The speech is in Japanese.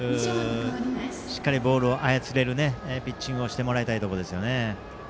しっかりボールを操れるピッチングをしてもらいたいです。